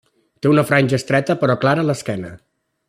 Té una franja estreta però clara a l'esquena.